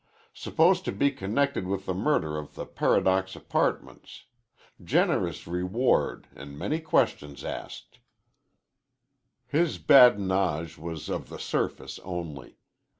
Supposed to be connected with the murder at the Paradox Apartments. Generous reward an' many questions asked." His badinage was of the surface only.